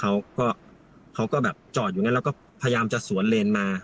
เขาก็เขาก็แบบจอดอยู่งั้นแล้วก็พยายามจะสวนเลนมา